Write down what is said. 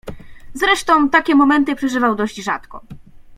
"Zresztą takie momenty przeżywał dość rzadko."